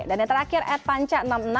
dan yang terakhir at panca enam puluh enam